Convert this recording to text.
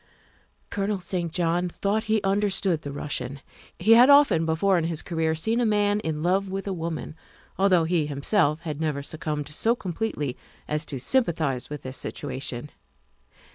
Colonel St. John thought he understood the Russian. He had often before in his career seen a man in love with a woman, although he, himself, had never suc cumbed so completely as to sympathize with ths situa tion.